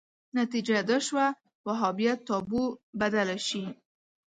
نتیجه دا شوه وهابیت تابو بدله شي